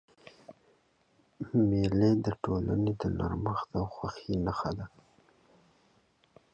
مېلې د ټولني د نرمښت او خوښۍ نخښه ده.